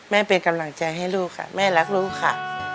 เป็นกำลังใจให้ลูกค่ะแม่รักลูกค่ะ